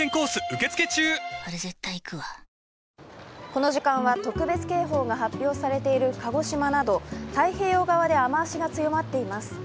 この時間は特別警報が発表されている鹿児島など太平洋側で雨足が強まっています。